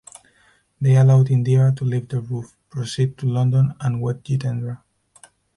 They allowed Indira to leave their roof, proceed to London and wed Jitendra.